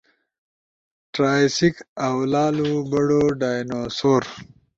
ٹرائسک او لالو بڑو ڈائنوسور